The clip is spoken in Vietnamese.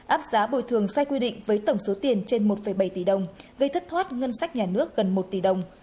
áp giá bồi thường sai quy định với tổng số tiền trên một bảy tỷ đồng gây thất thoát ngân sách nhà nước gần một tỷ đồng